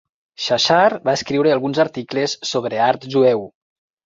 Shachar va escriure alguns articles sobre art jueu.